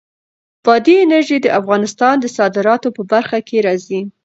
بادي انرژي د افغانستان د صادراتو په برخه کې راځي.